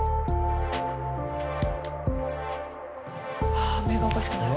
ああ目がおかしくなる。